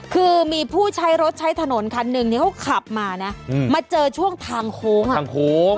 คือมีผู้ใช้รถใช้ถนนคันหนึ่งเนี่ยเขาขับมานะมาเจอช่วงทางโค้งอ่ะทางโค้ง